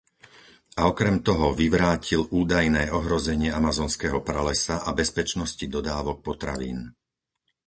Okrem toho vyvrátil údajné ohrozenie Amazonského pralesa a bezpečnosti dodávok potravín.